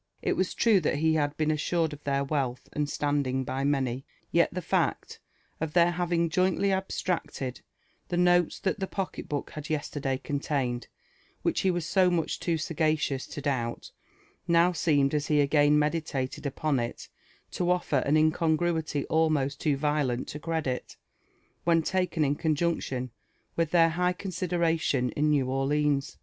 It was true (hat he had been assured of their wealth and standing by many; yet the fact of their having jointly abstracted Ihe notes that pocket book had yesterday contained, which he was much too sagacious to doubt, now seemed as he again meditated upon it lo offer an incongruity almost too violent to credit, when taken in con junction with (heir high consideration in New Orleans.